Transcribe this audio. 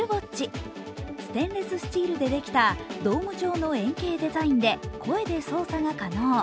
ステンレススチールでできたドーム状の円形デザインで声で操作が可能。